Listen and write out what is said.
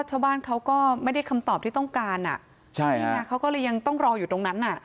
ชาวบ้านเขาก็ไม่ได้คำตอบที่ต้องการอ่ะใช่นี่ไงเขาก็เลยยังต้องรออยู่ตรงนั้นอ่ะ